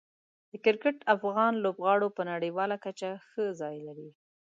د کرکټ افغان لوبغاړو په نړیواله کچه ښه ځای لري.